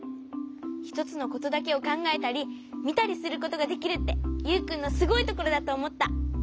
ひとつのことだけをかんがえたりみたりすることができるってユウくんのすごいところだとおもった。